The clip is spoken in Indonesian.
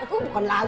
aku bukan lagu